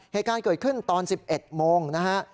เหตุการณ์เกิดขึ้นตอน๑๑โมงนะฮะ